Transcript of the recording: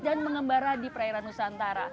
dan mengembara di perairan nusantara